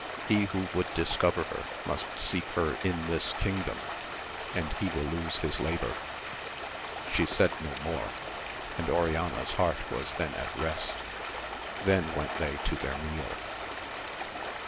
He who would dis cover her must seek her in this kingdom, and he will lose his labour. She said no more, and Oriana's heart was then at rest. Then went they to their meal.